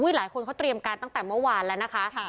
หลายคนเขาเตรียมการตั้งแต่เมื่อวานแล้วนะคะ